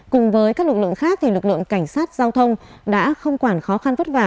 cùng với các lực lượng khác lực lượng cảnh sát giao thông đã không quản khó khăn vất vả